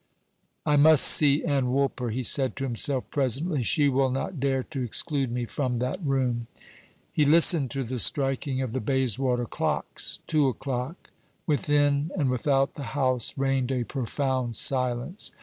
"I must see Ann Woolper," he said to himself, presently, "she will not dare to exclude me from that room." He listened to the striking of the Bayswater clocks. Two o'clock. Within and without the house reigned a profound silence.